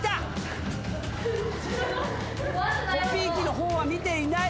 コピー機の方は見ていない。